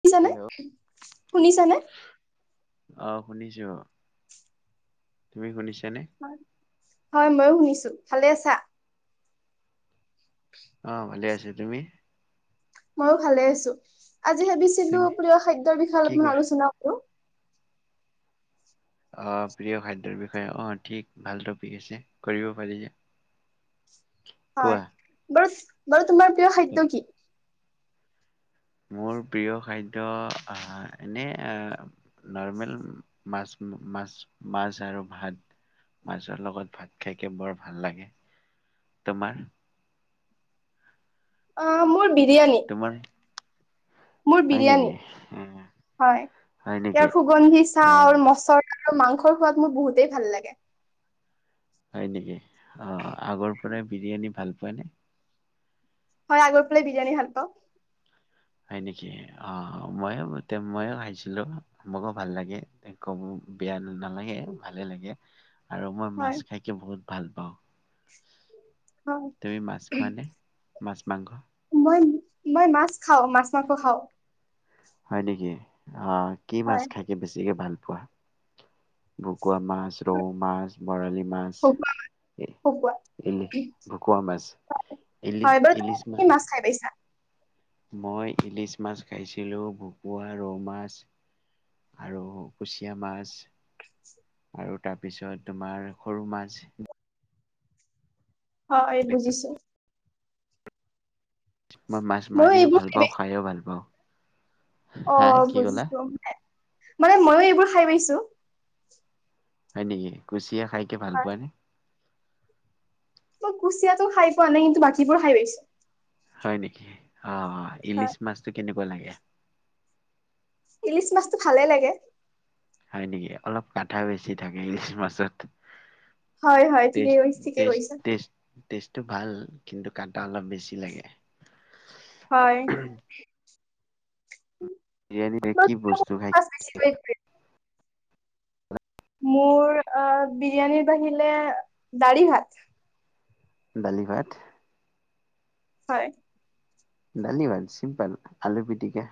শুনিছানে, হেল্ল' শুনিছানে অহ শুনিছোঁ তুমি শুনিছ হয় মইয়ো শুনিছোঁ ভালে আছ অ ভালে আছো তুমি ময়ো ভালে আছো আজি ভাবিছিলো তুমি প্ৰিয় খাদ্যৰ বিষয়ে কি অলপমান কৰি আৰু চনা আৰু আহ প্ৰিয় খাদ্যৰ বিষয়ে অ ঠিক ভাল টপিক আছে কৰিব পাৰি যে হয় কোৱা ব বাৰু তোমাৰ প্ৰিয় খাদ্য কি মোৰ প্ৰিয় খাদ্য এনে নৰ্মেল মাছ মাছ মাছ আৰু ভাত মাছৰ লগত ভাত খাইকে বৰ ভাল লাগে তোমাৰ অ মোৰ বিৰিয়ানি তোমাৰ মোৰ হয় বিৰিয়ানী নেকি হয় হয় নেকি ইয়াৰ সুগন্ধি অ চাউল মচলা ত মাংস খোৱাত মোৰ বহুতেই ভাল লাগে হয় নেকি অ আগৰ পৰা বিৰিয়ানী ভাল প নে হয় আগৰ পালে বিৰিয়ানী ভাল পাওঁ হয় নেকি অ ময়ো ময়ো খাইছিলো মোকো ভাল লাগে বিয়া নালাগে ভালে লাগে আৰু মই মাছ হয় খাইকে বহুত ভাল পাওঁ হয় তুমি মাছ খোৱা নে মাছ মাংস মই মই মাছ খাওঁ মাছ মাংস খাওঁ হয় নেকি অ কি মাছ হয় খাই কি বেছিকে ভাল প বু [unintelligible] ভকুৱা মাছ ৰৌ মাছ বৰালি মাছ খকুৱা খকুৱা এইলি ভকুৱা মাছ ইলি হয় বাৰু ইলিছ তুমি কি মাছ [unintelligible] খাই পাইছা মই ইলিছ মাছ খাইছিলো ভকুৱা ৰৌ মাছ আৰু কুচিয়া মাছ [inaudible] আৰু তাৰপিছত তোমাৰ সৰু মাছ হয় এই বুজিছো মই মাছ ময়ো মাৰিও এইবোৰ ভাল খাই পাওঁ পাইছো খাইও ভাল পাওঁ অ হা কি ক'লা বুজিছো মানে মইও এইবোৰ খাই পাইছো তটো হয় নেকি কচ তিয়া খাইকে ভাল পোৱা নে মই কুচিয়াতো খাই পোৱা নাই কিন্তু বাকীবোৰো খাই পাইছো হয় নেকি অ অ হয় ইলিছ মাছটো কেনেকুৱা লকে [unintelligible] খিচ মাছটো ভালে লাগে [unintelligible] হয় নেকি, অলপ কাটা বেছি থাকে ইলিচ মাছত। হয় হয় ঠিকেই টেষ্ট কৰিছ ঠিকেই টেষ্ট কৰিছ। টেষ্ট টেষ্টটো ভাল কিন্তু কাটা অলপ বেছি লাগে। হয়। বিৰিয়ানীৰে মই কি কোনটো বস্তু মাছ খাই বেছিকৈ মোৰ বিৰিয়ানীৰ আহ বাহিলে দাঢ়ি ভাত। দালি ভাত। হয়। ডালিব চিম্পল, আলু পিটিকা।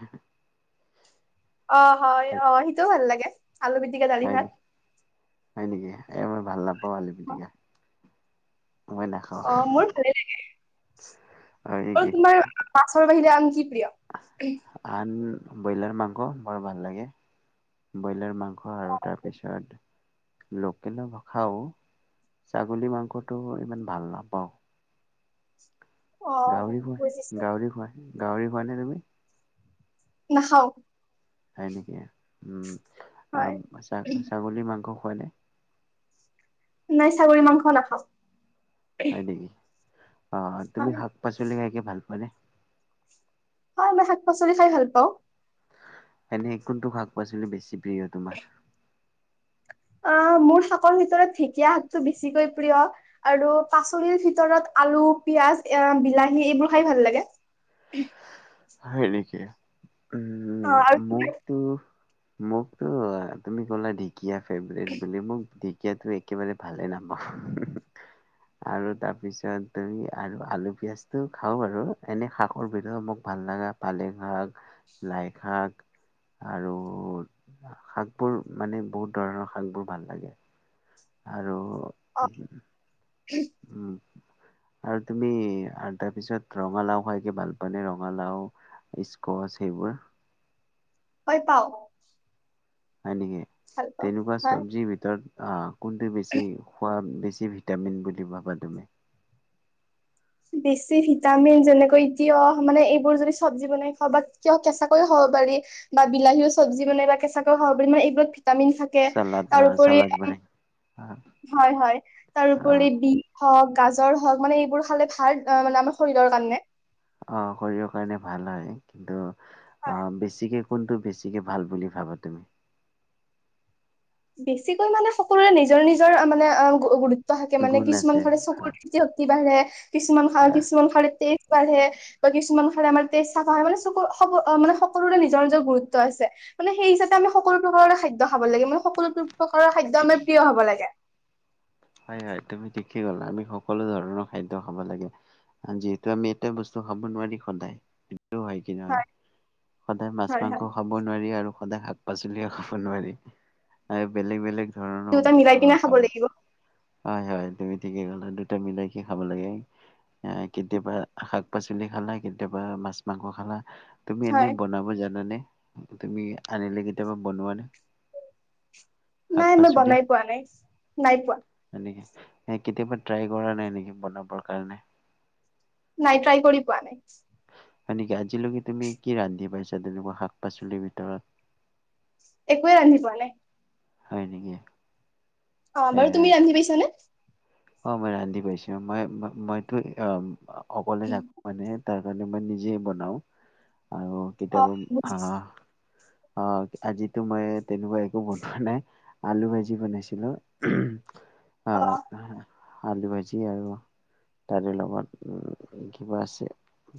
অ হয় অ সেইটোও ভাল লাগে। আলু পিটিকা, দালি হয় ভাত। নেকি হয় নেকি, এ মই ভাল নাপ পোৱালি পিটিকা মই নাখাওঁ অ মোৰ ভালে লাগে। হয় [inaudible] অ নেকি তোমাৰ মাছৰ বাহিৰে আন কি প্ৰিয়? আন ব্ৰইলাৰ মাংস বৰ ভাল লাগে। ব্ৰইলাৰ মাং ঘ আৰু তাৰ পিছত লোকেল ভ খাও, ছাগলী মাংস ফটো ইমান ভাল নাপাওঁ। অ গাহৰি খুৱাই বুজিছো। গাহৰি খুৱাই গাহৰি খোঁৱা নে তুমি? নাখাও। হয় নেকি? উম। হয় আহ ছা ছাগলী মাংস কয়নে নাই ছাগলী মাংস নাখাওঁ। হয় নেকি? অ তুমি হয় শাক পাচলি খাইকে ভাল পোৱা নে? হয় মই শাক পাচলি খাই ভাল পাওঁ। এনে কোনটো শাক পাচলি বেছি প্ৰিয় তোমাৰ? অ মোৰ শাকৰ ভিতৰত ঢেকীয়া শাকটো বেছিকৈ প্ৰিয় আৰু পাচলিৰ ভিতৰত আলু পিয়াজ, বিলাহী এইবোৰ খাই ভাল লাগে। হয় নেকি? উম অ'! আৰু মোকতো মোকতো তুমি ক'লা দী কিয় ফেভৰিট বুলি মোক [unintelligible] ঢেঁকিয়াটো একেবাৰে ভালে নাপাওঁ। আৰু তাৰপিছত আৰু আলু পিয়াজটো খাওঁ বাৰু এনে শাকৰ ভিতৰত মোক ভাল লগা পালেং শাক, লাই শাক আৰু শাকবোৰ মানে, বহুত ধৰণৰ শাকবোৰ ভাল লাগে। আৰু অ [inaudible] [unintelligible] আৰু তুমি আৰু তাৰ পিছত, ৰঙালাও খাই কি ভাল পোৱা নে! ৰঙালাও, স্কচ সেইবোৰ। হয় পাওঁ। হয় নেকি? তেনেকুৱা হয় চবজিৰ ভিতৰত অ'! কোনটো বেছি খুৱা? বেছি ভিটামিন বুলি ভাবা তুমি? বেছি ভিটামিন যেনেকৈ তিয়হ, মানে, এইবোৰ যদি চব্জি বনাই খাব বা কিয় কেঁচাকৈও খাব পাৰি বা বিলাহীও চব্জি বনাই বা কেঁচাকৈয়ও খাব পাৰি। মানে, এইবোৰত ভিটামিন থাকে। চালাদ তাৰ আহ উপৰি চালাদ বনাই আহ হয়, হয়! তাৰ উপৰি বি হওঁক, গাজৰ হওঁক মানে, এইবোৰ খালে ভাল মানে! আমাৰ শৰীৰৰ কাৰণে। অ'! শৰীৰৰ কাৰণে ভাল হয়। কিন্তু, বেছিকে কোনটো বেছিকে ভাল বুলি ভাবা তুমি? বেছিকৈ মানে সকলোৰে নিজৰ নিজৰ মানে, গুৰুত গুৰুত্ব থাকে মানে, গুণ আছে। কিছুমান খালে চকুৰ দৃষ্টি শক্তি বাঢ়ে। কিছুমান খা কিছুমান খালে তেজ বাঢ়ে বা কিছুমান খালে আমাৰ তেজ চাফা হয়। মানে, চকু সকলোৰে নিজৰ, নিজৰ গুৰুত্ব আছে। মানে, সেই হিচাপে আমি সকলো প্ৰকাৰৰে খাদ্য খাব লাগে। সকলো প্ৰকাৰৰ খাদ্য আমাৰ প্ৰিয় হ'ব লাগে। হয়, হয়। তুমি ঠিকেই ক'লা! আমি সকলো ধৰণৰ খাদ্য খাব লাগে। যিহেতু, আমি এটা বস্তু খাব নোৱাৰি সদায়। হয় কি নহয়। সদায় মাছ হয় মাংস হয় খাব নোৱাৰি আৰু সদায় শাক -পাচলিও খাব নোৱাৰি। এই বেলেগ বেলেগ ধৰণৰ দুটাই মিলাই আহ কিনেই খাব লাগিব। হয়, হয়। তুমি ঠিকে ক'লা! দুটা মিলাই কিনে খাব লাগে। এ, কেতিয়াবা শাক-পাচলি পাচলি খালা, কেতিয়াবা মাছ মাংস খালা। তুমি এনেই হয় বনাব জানানে? তুমি আনিলে কেতিয়াবা বনোৱা নাই নাই! মই বনাই পোৱা নাই। নাই পোৱা। এনেই কেতিয়াবা ট্ৰাই কৰা নাই নেকি বনাবৰ কাৰণে? নাই, ট্ৰাই কৰি পোৱা নাই। হয় নেকি? আজিলৈকে তুমি কি ৰান্ধি পাইছাঁ তেনেকুৱা শাক পাচলিৰ ভিতৰত? একোৱেই ৰান্ধি পোৱা নাই। হয় নেকি? অ'! এ বাৰু তুমি ৰান্ধি পাইছানে? অ মই ৰান্ধি পাইছো। মই মইতো অ অকলে যাব মানে তাৰ কাৰণে মই নিজে বনাওঁ। আৰু অ কেতিয়াবা। বুজিছো হাহ অ আজিতো মই তেনেকুৱা একো বনোৱা নাই। আলু ভাজি বনাইছিলো। অ। আহ আলু ভাজি আৰু তাৰে লগত উম কিবা আছে।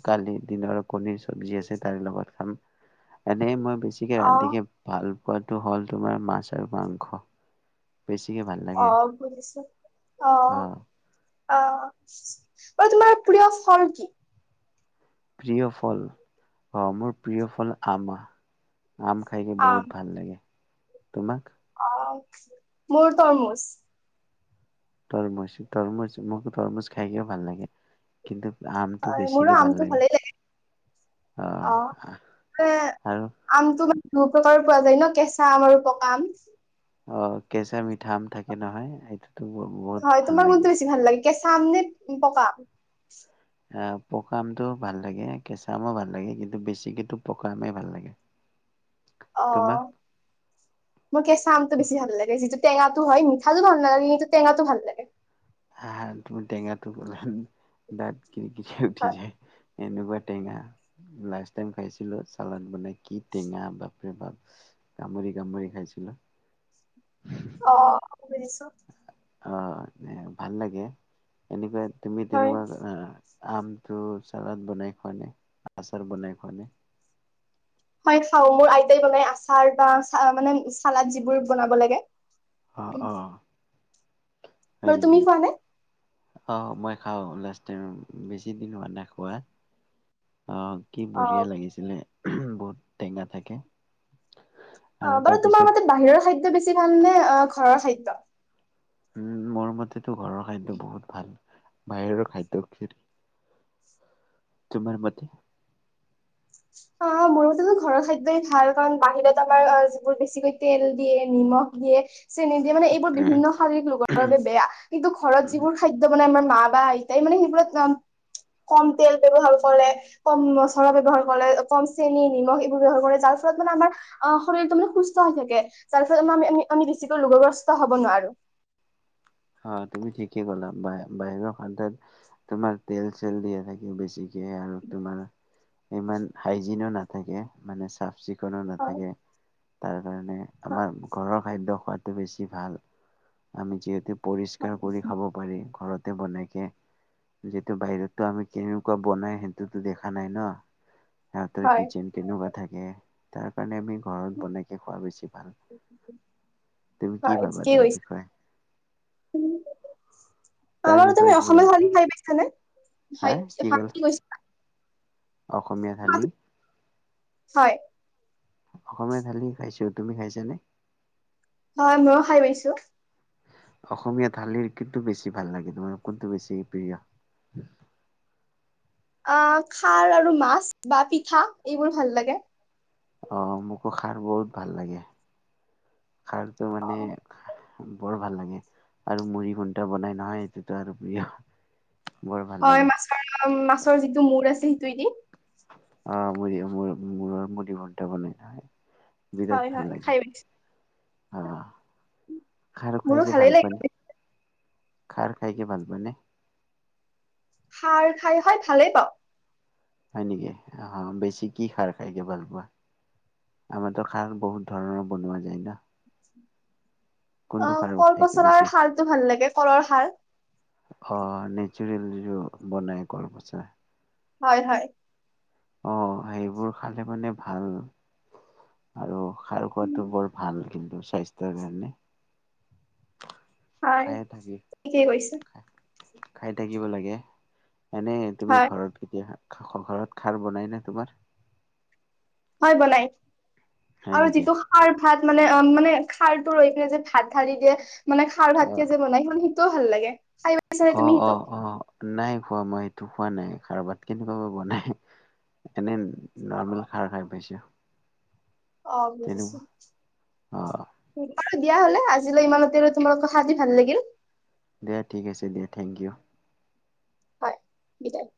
কালি দিনৰ কণীৰ চব্জি আছে তাৰে লগত খাম। এনে মই বেছিকে অ ৰান্ধিকে ভাল পোৱাটো হ'ল তোমাৰ মাছ আৰু মাংস। বেছিকে ভাল অ লাগে বুজিছো। অ। আ। অ, তোমাৰ প্ৰিয় ফল কি? প্ৰিয় ফল, অ মোৰ প্ৰিয় ফল আম। আম খাইকে বহুত ভাল লাগে। তোমাক? অ, মোৰ তৰমুচ। তৰমুজ। তৰমুজ মোক তৰমুজ খাইকে ভাল লাগে। কিন্তু, আমটো হয়, মোৰো বেছিকে ভাল আমটো ভালেই লাগে। অ অ, আৰু আমটো মানে প্ৰকাৰো পোৱা যায় ন? কেঁচা আম আৰু পকা আম। অ, কেঁচা-মিঠা আম থাকে নহয়। সেইটো হয়। তোমাৰ কোনটো বেছি ভাল লাগে? কেচা আম নে পকা আম? পকা আমটো ভাল লাগে। কেঁচা আমো ভাল লাগে, কিন্তু বেছিকেটো পকা আমেই ভাল লাগে। অ তোমাক মোৰ কেঁচা আমটো বেছি ভাল লাগে। যিটো টেঙাটো হয় মিঠাটো ভাল নালাগে। কিন্তু টেঙাটো ভাল লাগে। তুমি টেঙাটো গলাহান দাত কিৰ কিৰাই উঠি হয় যায়। এনেকুৱা টেঙা, লাষ্ট টাইম খাইছিলো চালাদ বনাই। কি টেঙা বাপ বাপৰে বাপ, কামুৰি কামুৰি খাইছিলো। অ বুজিছোঁ। অ ভাল লাগে। এনেকুৱা তুমি হয়। তেনেকুৱা আমটো চালাদ বনাই খোৱা নে? আচাৰ বনাই খোৱা নে? হয় খাওঁ। মোৰ আইতাই বনাই আচাৰ বা মানে চালাদ যিবোৰ বনাব লাগে। অ অ বাৰু তুমি খোৱা নে? আহ মই খাওঁ লাষ্ট টাইম বেছি দিন হোৱা নাই খোৱা অ কি অ বঢ়িয়া লাগিছিলে। বহুত টেঙা থাকে। অ আৰু বাৰু তোমাৰ তাৰপিছত মতে বাহিৰৰ খাদ্য বেছি। ভাল নে অ ঘৰৰ খাদ্য? উম মৰমতে টো ঘৰৰ খাদ্য বহুত ভাল। বাহিৰৰ খাদ্য কিয়। তোমাৰ মতে? অ মোৰ মতেতো ঘৰৰ খাদ্যয়ই ভাল কাৰণ বাহিৰত আমাৰ যিবোৰ বেছিকৈ তেল দিয়ে, নিমখ দিয়ে। চেনি দিয়ে মানে এইবোৰ বিভিন্ন শাৰীৰিক ৰোগৰ বাবে বেয়া কিন্তু ঘৰত যিবোৰ খাদ্য বনাই আমাৰ মা বা আইতাই মানে সেইবোৰত কম তেল ব্যৱহাৰ কৰে, কম মচলা ব্যৱহাৰ কৰে। কম চেনি, নিমখ এইবোৰ ব্যৱহাৰ কৰে। যাৰ ফলত মানে আমাৰ শৰীৰতটো মানে সুস্থ হৈ থাকে। যাৰ ফলত আমি আমি বেছিকৈ ৰোগগ্ৰস্ত হব নোৱাৰোঁ। অ তুমি ঠিকে ক'লা বাহিৰৰ খাদ্যত তোমাৰ তেল চেল দিয়া থাকে বেছিকে আৰু তোমাৰ ইমান হাইজিনো নাথাকে মানে চাফ চিক [unintelligible] কোনো হয় নাথাকে। তাৰ কাৰণে আমাৰ ঘৰৰ খাদ্য সোৱাদ। বেছি ভাল আমি যিহেতু হয় পৰিষ্কাৰ কৰি খাব পাৰি ঘৰত বনাইকে যিতটো বাহিৰতো আমি কেনেকুৱা বনাই সেইটোতো দেখা নাই ন। সিহঁতৰ হয় কিচেন কেনেকুৱা থাকে তাৰ কাৰণে আমি ঘৰত বনাইকে খোৱা বেছি ভাল। তুমি কি ভাবা তাই বিষয়ে? উম তাৰ আমাৰো তুমি বিষয়ে কি ভাবা অসমত থালি হা খাই কি ক'ল পাইছানে অসমীয়া থালি হয় অসমীয়া থালি খাইছো। তুমি খাইছানে? হয় মইও খাই পাইছো। অসমীয়া থালিৰ কিন্তু বেছি ভাল লাগে। তোমাৰ কোনটো বেছি প্ৰিয়? অ খাৰ আৰু মাছ বা পিঠা এইবোৰ ভাল লাগে। আহ মোকো খাৰ বহুত ভাল লাগে। খাৰতো মানে বৰ ভাল লাগ। আৰু মুড়ি খুণ্টা বনাই নহয় এইটোতো আৰু প্ৰিয়। [unintelligible] ভাল হয় লাগে মাছৰ মাছৰ যিটো মূৰ আছে। সেতুৱে দি অ মৰি মোৰৰ মুৰি বনটা বনাই ন। হয় হয় খাই পাইছোঁ। খাই আৰু খুৱাইকৈ ভাল পোৱানে? খাৰ খাইকে ভাল পায় নে? খাৰ খাই হয় ভালেই পাওঁ। হয় নেকি আহ বেছি কি খাৰ খাইকে ভাল পোৱা? আমাৰো খাৰ বহুত ধৰণৰ বনোৱা যায় ন। অ কোনটো খাৰ কল খাইকে বেছি পচলাৰ সাৰটো ভাল লাগে, কলৰ সাৰ। অ নেচুৰেল যিটো বনাই কল পচল। হয় হয়। অ সেইবোৰ খালে মানে ভাল, আৰু খাৰ উম, খোৱাটো বৰ ভাল কিন্তু স্বাস্থ্যৰ কাৰণে। হয় খায়ে থাকি কে কৈছ খাই থাকিব লাগে। এনেই তুমি হয় ঘৰত কেতিয়া ষ ঘৰত খাৰ বনাই ন তোমাৰ। হয় বনাই। হয় আৰু নেকি যিটো সাৰ ভাত মানে অ মানে খাৰটো ৰৈ পিনে যে ভাত সাৰি দিয়ে মানে খাৰ অ ভাতকে যে বনাই [inaudible] ত ভাল লাগে। খাই পাইছানে অ তুমি অ সেইটো অ, নাই খোৱা মই- টো খোৱা নাই খাৰ ভাত কেনেকুৱা বনাই। এনে নৰ্মেল খাৰ খাই পাইছো। অ বুজিছো। তেনেকুৱা অ দিয়া হলে আজিলৈ ইমানতে ৰ তোমালোক সাজি ভাল লাগিল। দে ঠিক আছে দিয়া থেংক ইউ। হয় বিদায়।